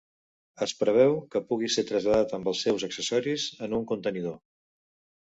Es preveu que pugui ser traslladat amb els seus accessoris en un contenidor.